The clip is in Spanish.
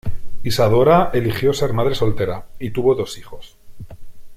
Isadora eligió ser madre soltera, y tuvo dos hijos.